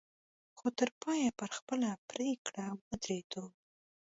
خو تر پايه پر خپله پرېکړه ودرېدو.